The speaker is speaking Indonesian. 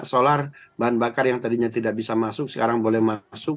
solar bahan bakar yang tadinya tidak bisa masuk sekarang boleh masuk